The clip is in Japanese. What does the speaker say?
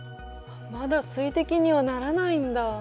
まだ水滴にはならないんだ。